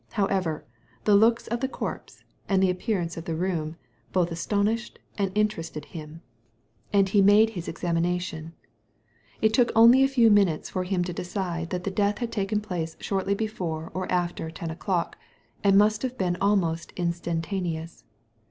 However, the looks of the corpse, and the appearance of the room both astonished and interested him; and he made his Digitized by Google 26 THE LADY FROM NOWHERE examination. It took only a few minutes for him to decide that the death had taken place shortly before or after ten o'clock, and must have been almost instantaneous.